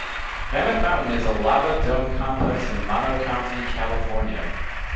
Mammoth Mountain is a lava dome complex in Mono County, California.